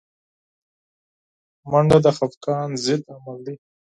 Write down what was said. منډه د خفګان ضد عمل دی